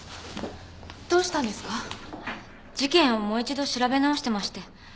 事件をもう一度調べ直してまして。